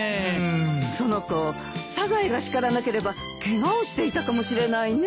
その子サザエが叱らなければケガをしていたかもしれないね。